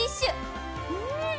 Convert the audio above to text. うん！